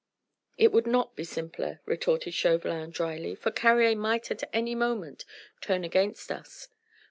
"It would not be simpler," retorted Chauvelin drily, "for Carrier might at any moment turn against us.